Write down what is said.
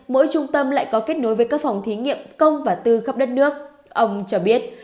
mỗi trung tâm lại có kết nối với các phòng thí nghiệm công và tư khắp đất nước ông cho biết